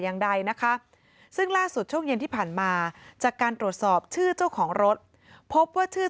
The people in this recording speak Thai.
อย่างใดซึ่งล่าสุดช่วงเย็นที่ผ่านมาจะการตรวจสอบชื่อ